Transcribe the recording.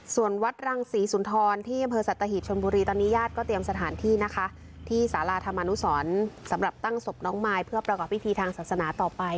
ส่วนวัดรังศรีสุนทรที่อำเภอสัตหีบชนบุรีตอนนี้ญาติก็เตรียมสถานที่นะคะที่สาราธรรมนุสรสำหรับตั้งศพน้องมายเพื่อประกอบพิธีทางศาสนาต่อไป